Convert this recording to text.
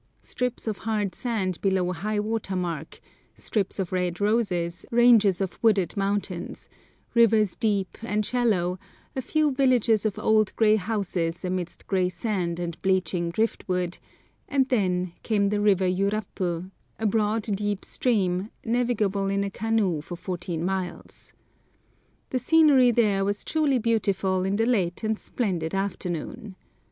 Strips of hard sand below high water mark, strips of red roses, ranges of wooded mountains, rivers deep and shallow, a few villages of old grey houses amidst grey sand and bleaching driftwood, and then came the river Yurapu, a broad, deep stream, navigable in a canoe for fourteen miles. The scenery there was truly beautiful in the late and splendid afternoon.